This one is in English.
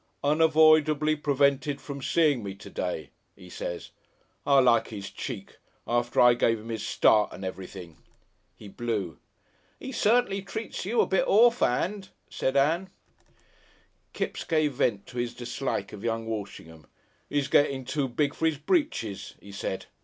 "'Unavoidably prevented from seein' me to day,' 'e says. I like 'is cheek. After I give 'im 'is start and everything." He blew. "'E certainly treats you a bit orf'and," said Ann. Kipps gave vent to his dislike of young Walshingham. "He's getting too big for 'is britches," he said.